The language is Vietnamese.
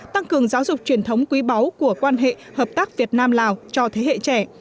tăng cường giáo dục truyền thống quý báu của quan hệ hợp tác việt nam lào cho thế hệ trẻ